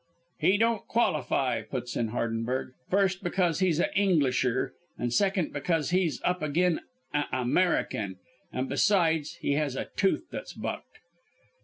"'He don't qualify,' puts in Hardenberg. 'First, because he's a Englisher, and second, because he's up again a American and besides, he has a tooth that's bucked.'